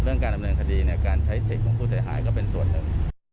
เรื่องการดำเนินคดีเนี่ยการใช้เสกของผู้เสียหายก็เป็นส่วนหนึ่ง